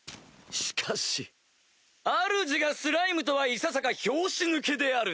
しかしあるじがスライムとはいささか拍子抜けであるな。